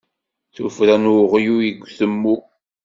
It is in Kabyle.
D tuffra n uɣyul deg utemmu.